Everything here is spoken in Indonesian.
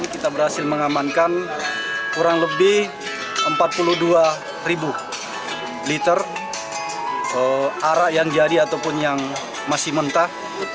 kita berhasil mengamankan kurang lebih empat puluh dua ribu liter arak yang jadi ataupun yang masih mentah